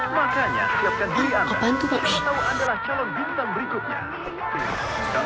makanya siapkan diri anda